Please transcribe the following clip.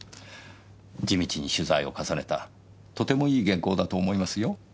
地道に取材を重ねたとてもいい原稿だと思いますよ。